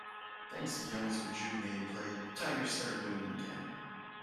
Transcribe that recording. Thanks to Young's rejuvenated play, the Tigers start winning again.